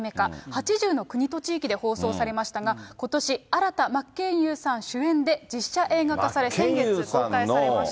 ８０の国と地域で放送されましたが、ことし、新田真剣佑さん主演で、実写映画化され、先月公開されました。